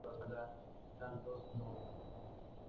Por su parte, Marcel Molina, se dedicó a su banda Santos Dumont.